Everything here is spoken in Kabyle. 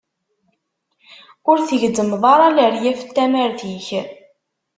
Ur tgezzmeḍ ara leryaf n tamart-ik.